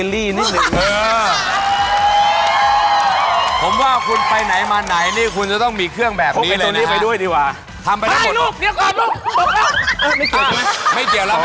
นี่คุณจะต้องมีเครื่องแบบนี้เลยครับ